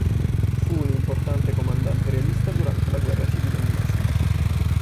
Fu un importante comandante realista durante la Guerra civile inglese.